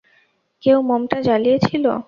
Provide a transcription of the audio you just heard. কেউ মোম টা জ্বালিয়েছিল।